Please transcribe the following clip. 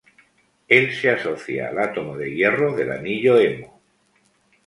El se asocia al átomo de hierro del anillo hemo.